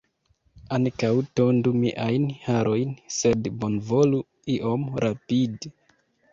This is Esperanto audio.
Ankaŭ tondu miajn harojn, sed bonvolu iom rapidi.